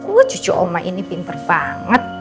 wah cucu oma ini pinter banget